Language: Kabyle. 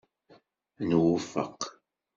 Nwufeq.